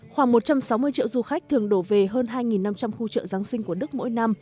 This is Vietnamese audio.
khoảng một trăm sáu mươi triệu du khách thường đổ về hơn hai năm trăm linh khu chợ giáng sinh của đức mỗi năm